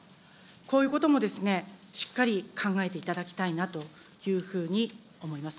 こういうこともですね、しっかり考えていただきたいなというふうに思います。